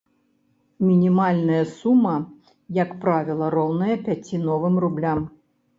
Мінімальная сума, як правіла, роўная пяці новым рублям.